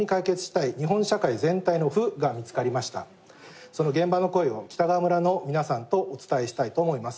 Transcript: そこでその現場の声を北川村の皆さんとお伝えしたいと思います。